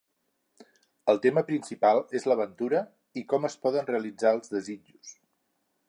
El tema principal és l'aventura i com es poden realitzar els desitjos.